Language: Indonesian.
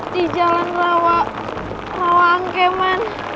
di jalan rawa angkeman